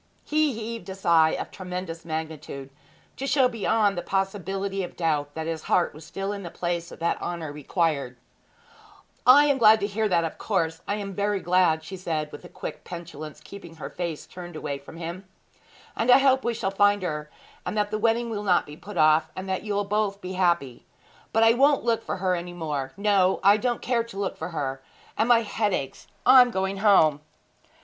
He heaved a sigh of tremendous magnitude, to show beyond the possibility of doubt that his heart was still in the place that honour required. 'I am glad to hear that of course I am very glad!' said she, with quick petulance, keeping her face turned from him. 'And I hope we shall find her, and that the wedding will not be put off, and that you'll both be happy. But I won't look for her any more! No; I don't care to look for her and my head aches. I am going home!'